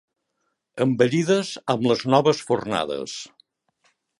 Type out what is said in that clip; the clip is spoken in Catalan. Embellides amb les noves fornades.